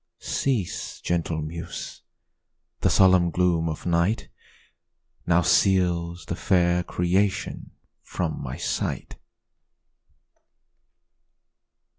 Cease, gentle muse! the solemn gloom of night Now seals the fair creation from my sight.